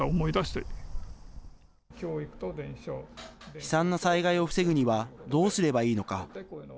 悲惨な災害を防ぐにはどうすればいいのか。